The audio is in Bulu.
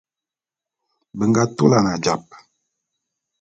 Be nga tulan ajap.